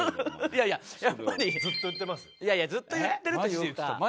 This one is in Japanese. いやいやずっと言ってるというか。